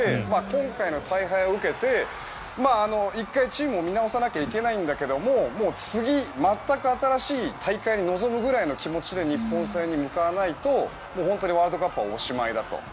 今回の大敗を受けて１回、チームを見直さなきゃいけないんだけどもう次、全く新しい大会に臨むぐらいの気持ちで日本戦に向かわないと、本当にワールドカップもおしまいだと。